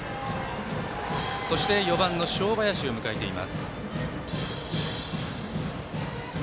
そして、４番の正林を迎えています。